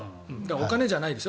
お金じゃないですよ。